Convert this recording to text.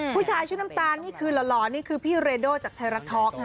ผู้ชายชุดน้ำตาลนี่คือหล่อนี่คือพี่เรโดจากไทยรัฐท็อกค่ะ